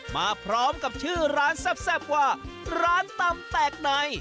มาพร้อมกับชื่อร้านแซ่บว่าร้านตำแตกใน